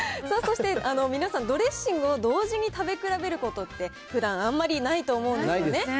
そして皆さん、ドレッシングを同時に食べ比べることって、ふだん、あんまりないと思うんですよね。